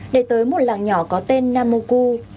để tới một làng nhỏ có tên namoku